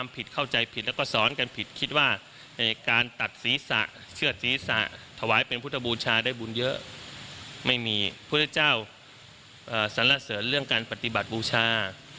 พุทธเจ้าสัญลักษณ์เสริมเรื่องการปฏิบัติบูชา